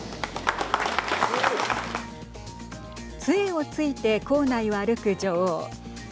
つえをついて構内を歩く女王。